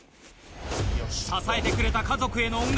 支えてくれた家族への恩返し。